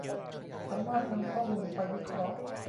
สามารถนำข้อมูลไปวิเคราะห์